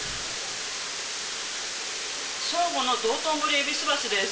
省吾の道頓堀、戎橋です。